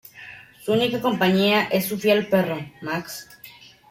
Su única compañía es su fiel perro, Max.